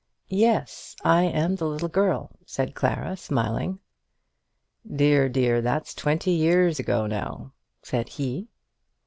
"Yes; I am the little girl," said Clara, smiling. "Dear, dear! and that's twenty years ago now," said he.